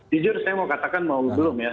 jujur saya mau katakan mau belum ya